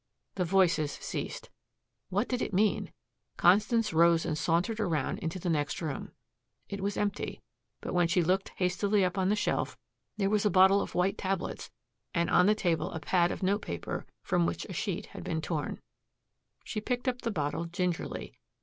The voices ceased. What did it mean! Constance rose and sauntered around into the next room. It was empty, but when she looked hastily up on the shelf there was a bottle of white tablets and on a table a pad of note paper from which a sheet had been torn. She picked up the bottle gingerly.